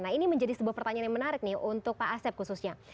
nah ini menjadi sebuah pertanyaan yang menarik nih untuk pak asep khususnya